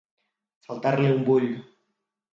Faltar-li un bull.